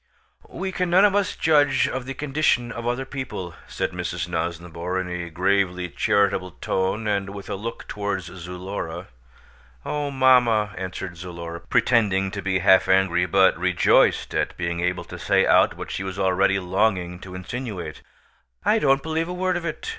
"We can none of us judge of the condition of other people," said Mrs. Nosnibor in a gravely charitable tone and with a look towards Zulora. "Oh, mamma," answered Zulora, pretending to be half angry but rejoiced at being able to say out what she was already longing to insinuate; "I don't believe a word of it.